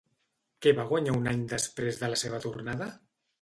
Què va guanyar un any després de la seva tornada?